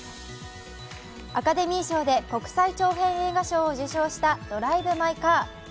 アカデミー賞で国際長編映画賞を受賞した「ドライブ・マイ・カー」。